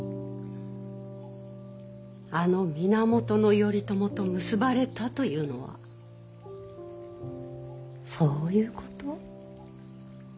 あの源頼朝と結ばれたというのはそういうこと。